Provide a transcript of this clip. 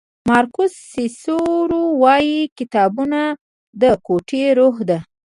مارکوس سیسرو وایي کتابونه د کوټې روح دی.